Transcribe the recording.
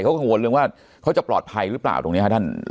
กังวลเรื่องว่าเขาจะปลอดภัยหรือเปล่าตรงนี้ครับท่าน